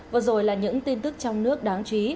vừa rồi là những tin tức trong nước đáng chú ý